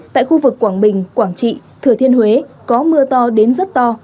tại khu vực quảng bình quảng trị thừa thiên huế có mưa to đến rất to